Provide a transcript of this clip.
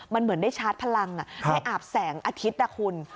มันเหมือนได้ชาร์จพลังได้อาบแสงอาทิตย์นะคุณ